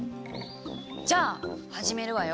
じゃあ始めるわよ。